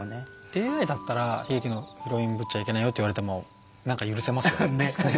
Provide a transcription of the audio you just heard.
ＡＩだったら悲劇のヒロインぶっちゃいけないよって言われても何か許せますよね。